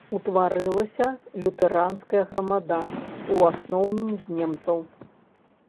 Утварылася лютэранская грамада, у асноўным з немцаў.